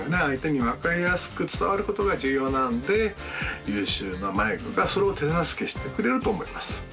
相手に分かりやすく伝わることが重要なんで優秀なマイクがそれを手助けしてくれると思います